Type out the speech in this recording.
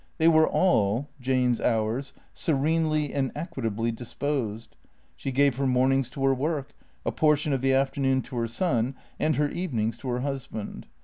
They were all, Jane's hours, serenely and equitably disposed. She gave her mornings to her work, a por tion of the afternoon to her son, and her evenings to her hus band.